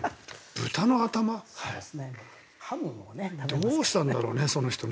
どうしたんだろうね、その人ね。